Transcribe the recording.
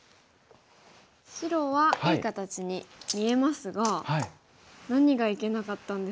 白はいい形に見えますが何がいけなかったんですか？